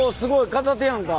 片手やんか。